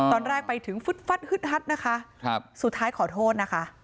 ตอนแรกไปถึงฟึดฟัดฮึดฮัดนะคะสุดท้ายขอโทษนะคะ